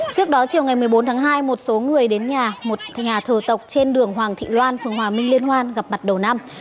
trước đó chiều ngày một mươi bốn tháng hai một số người đến nhà một nhà thờ tộc trên đường hoàng thị loan phường hòa minh liên hoan gặp mặt đầu năm